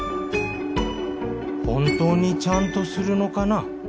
本当にちゃんとするのかな？